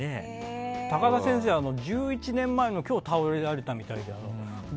高田先生は１１年前の今日倒れられたみたいで。